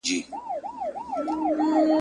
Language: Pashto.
هم په ویښه هم په خوب کي خپل زلمي کلونه وینم !.